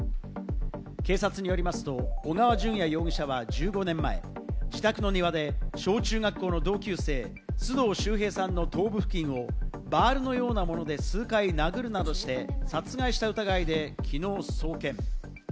警察によりますと小川順也容疑者は１５年前、自宅の庭で小中学校の同級生・須藤秀平さんの頭部付近をバールのようなもので数回殴るなどして殺害した疑いで昨日送検。